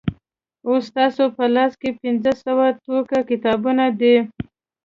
اوس ستاسو په لاسو کې پنځه سوه ټوکه کتابونه دي.